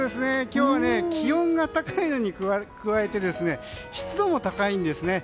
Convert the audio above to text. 今日は気温が高いのに加えて湿度も高いんですね。